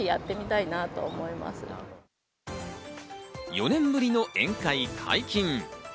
４年ぶりの宴会解禁。